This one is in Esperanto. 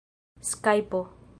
skajpo